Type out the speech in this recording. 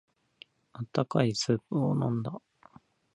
温かいスープを飲んだ。